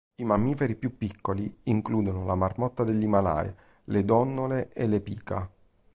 I mammiferi più piccoli includono la marmotta dell’Himalaya, le donnole e le pika.